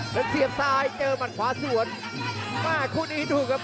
กระโดยสิ้งเล็กนี่ออกกันขาสันเหมือนกันครับ